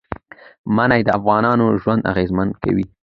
منی د افغانانو ژوند اغېزمن کوي.